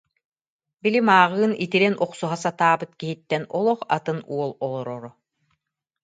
Били мааҕын итирэн охсуһа сатаабыт киһиттэн олох атын уол олороро